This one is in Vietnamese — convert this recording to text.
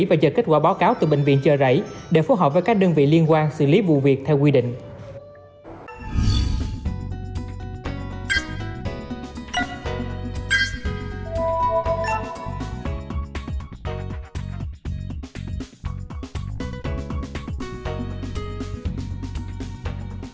và chờ kết quả báo cáo từ bệnh viện chờ rảy để phối hợp với các đơn vị liên quan xử lý vụ việc theo quy định